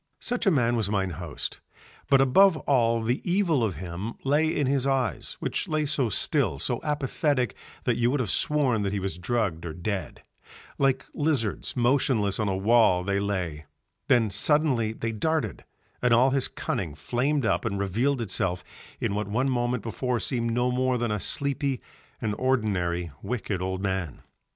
Such a man was mine host; but above all the evil of him lay in his eyes, which lay so still, so apathetic, that you would have sworn that he was drugged or dead; like lizards motionless on a wall they lay, then suddenly they darted, and all his cunning flamed up and revealed itself in what one moment before seemed no more than a sleepy and ordinary wicked old man.